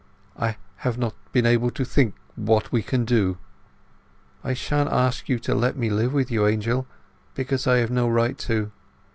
"I have not been able to think what we can do." "I shan't ask you to let me live with you, Angel, because I have no right to!